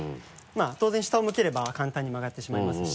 当然下を向ければ簡単に曲がってしまいますし。